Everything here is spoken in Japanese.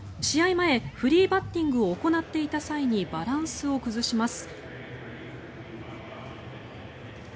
前、フリーバッティングを行っていた際にバランスを崩します。